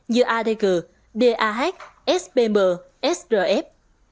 như adg dah spm srf